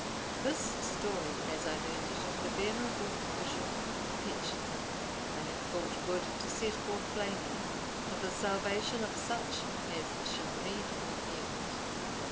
(848) This story, as I learned it of the venerable Bishop Pechthelm,(849) I have thought good to set forth plainly, for the salvation of such as shall read or hear it.